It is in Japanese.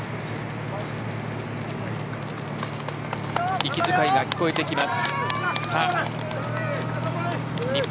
息遣いが聞こえてきます。